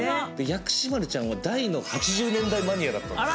薬師丸ちゃんは大の８０年代マニアだった。